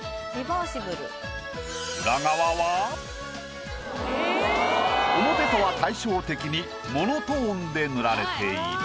裏側は表とは対照的にモノトーンで塗られている。